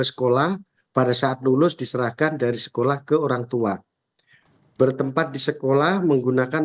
sekolah pada saat lulus diserahkan dari sekolah ke orang tua bertempat di sekolah menggunakan